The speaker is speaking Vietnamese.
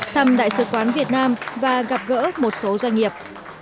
thăm đại sứ quán việt nam và gặp gỡ một số doanh nghiệp